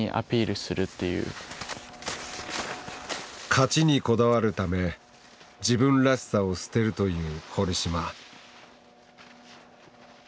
勝ちにこだわるため自分らしさを捨てるという堀島。